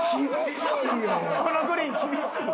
このグリーン厳しい？